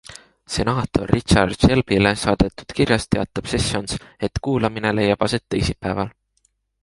Senaator Richard Shelbyle saadetud kirjas teatab Sessions, et kuulamine leiab aset teisipäeval.